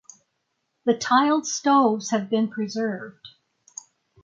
The tiled stoves have been preserved.